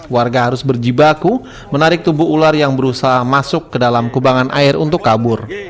warga harus berjibaku menarik tubuh ular yang berusaha masuk ke dalam kubangan air untuk kabur